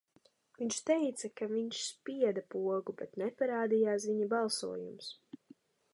Viņš teica, ka viņš spieda pogu, bet neparādījās viņa balsojums.